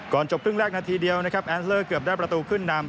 จบครึ่งแรกนาทีเดียวนะครับแอสเลอร์เกือบได้ประตูขึ้นนำ